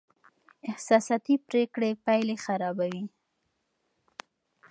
احساساتي پرېکړې پایلې خرابوي.